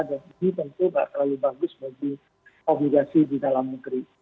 ini tentu tidak terlalu bagus bagi obligasi di dalam negeri